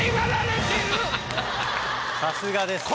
さすがです。